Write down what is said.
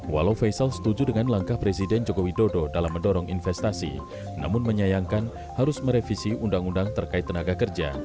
walau faisal setuju dengan langkah presiden joko widodo dalam mendorong investasi namun menyayangkan harus merevisi undang undang terkait tenaga kerja